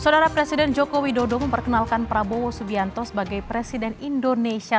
saudara presiden joko widodo memperkenalkan prabowo subianto sebagai presiden indonesia